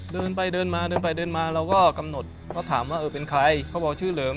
เดินไปเดินมาเดินไปเดินมาเราก็กำหนดเขาถามว่าเออเป็นใครเขาบอกชื่อเหลิม